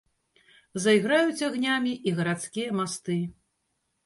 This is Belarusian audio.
Зайграюць агнямі і гарадскія масты.